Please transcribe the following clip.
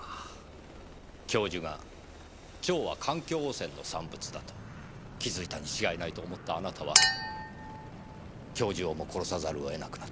教授が蝶は環境汚染の産物だと気づいたに違いないと思ったあなたは教授をも殺さざるを得なくなった。